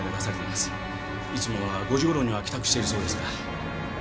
いつもは５時頃には帰宅しているそうですが。